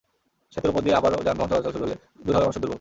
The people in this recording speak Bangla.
সেতুর ওপর দিয়ে আবারও যানবাহন চলাচল শুরু হলে দূর হবে মানুষের দুর্ভোগ।